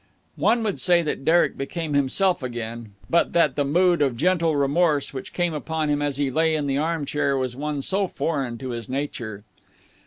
One would say that Derek became himself again, but that the mood of gentle remorse which came upon him as he lay in the arm chair was one so foreign to his nature.